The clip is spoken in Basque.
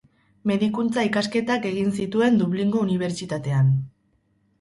Medikuntza-ikasketak egin zituen Dublingo Unibertsitatean.